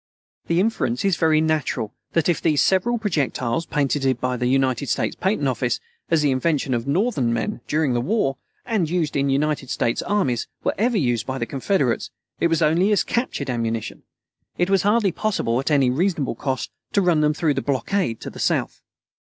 The inference is very natural that if these several projectiles, patented by the United States Patent Office, as the invention of Northern men, during the war, and used by the United States armies, were ever used by the Confederates, it was only as captured ammunition. It was hardly possible, at any reasonable cost, to run them through the blockade to the South.